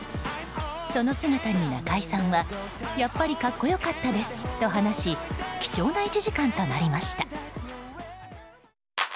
その姿に、中居さんはやっぱり格好良かったですと話し貴重な１時間となりました。